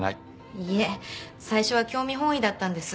いえ最初は興味本位だったんです。